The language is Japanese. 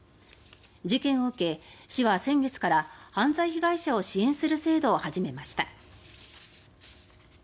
事件を受け、市は先月から犯罪被害者を支援する制度を始めました。